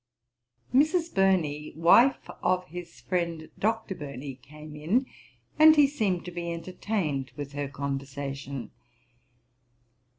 Mrs. Burney, wife of his friend Dr. Burney, came in, and he seemed to be entertained with her conversation.